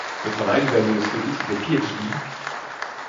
Ce travail lui valut aussi le titre de Ph.D.